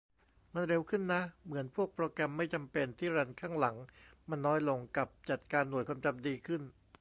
มันเร็วขึ้นนะ เหมือนพวกโปรแกรมไม่จำเป็นที่รันข้างหลังมันน้อยลง กับจัดการหน่วยความจำดีขึ้น